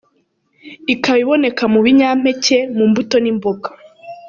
Ikaba iboneka mu binyampeke ,mu mbuto n’imboga.